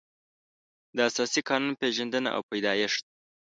د اساسي قانون پېژندنه او پیدایښت